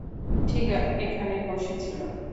ঠিক এখানে বসে ছিল।